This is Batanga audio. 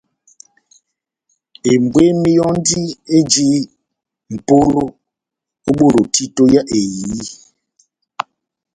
Ebwemi yɔ́ndi eji mʼpolo ó bolo títo yá ehiyi.